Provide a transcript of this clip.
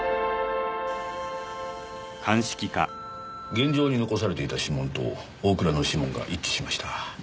現場に残されていた指紋と大倉の指紋が一致しました。